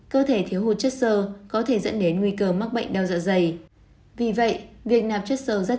cơ thể thiếu hụt chất sơ có thể dẫn đến nguy cơ mắc bệnh đau dạ dày